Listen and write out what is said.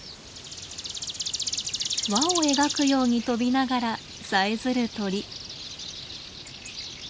輪を描くように飛びながらさえずる鳥。